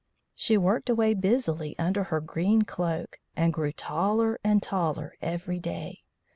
She worked away busily under her green cloak, and grew taller and taller every day.